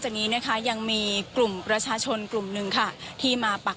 จากนี้นะคะยังมีกลุ่มประชาชนกลุ่มหนึ่งค่ะที่มาปัก